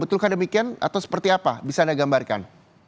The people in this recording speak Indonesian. betulkah demikian atau seperti apa bisa anda gambarkan